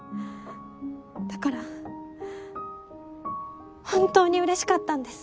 だから本当に嬉しかったんです。